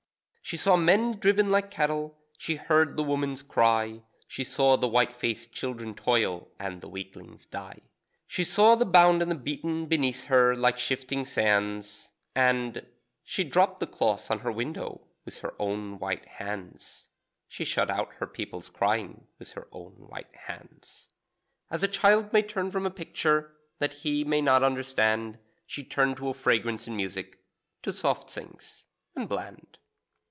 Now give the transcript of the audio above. She saw men driven like cattle, she heard the woman's cry, She saw the white faced children toil, and the weaklings die. She saw the bound and the beaten beneath her like shifting sands, And she dropped the cloth on her window with her own white hands, (She shut out her people's crying With her own white hands.) As a child may turn from a picture that he may not understand, She turned to fragrance and music, to soft things and bland.